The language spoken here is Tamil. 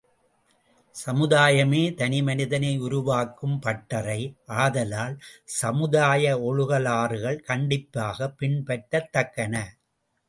சமுதாயமே தனிமனிதனை உருவாக்கும் பட்டறை, ஆதலால், சமுதாய ஒழுகலாறுகள் கண்டிப்பாகப் பின்பற்றத் தக்கன.